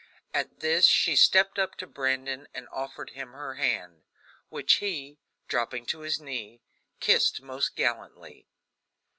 At this she stepped up to Brandon and offered him her hand, which he, dropping to his knee, kissed most gallantly.